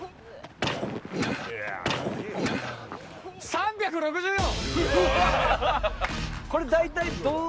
３６４？